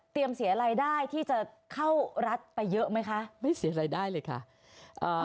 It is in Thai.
เสียรายได้ที่จะเข้ารัฐไปเยอะไหมคะไม่เสียรายได้เลยค่ะอ่า